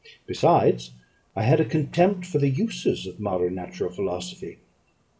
Besides, I had a contempt for the uses of modern natural philosophy.